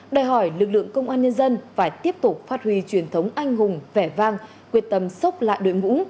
đòi hỏi lực lượng công an nhân dân phải tiếp tục phát huy truyền thống anh hùng vẻ vang quyết tâm sốc lại đội ngũ